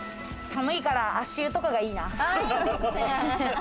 寒いから、足湯とかがいいな。